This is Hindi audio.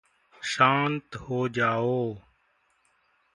शांत हो जाओ।